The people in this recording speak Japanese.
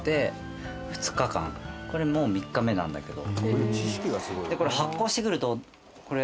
これもう３日目なんだけど。